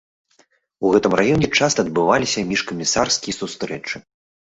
У гэтым раёне часта адбываліся міжкамісарскія сустрэчы.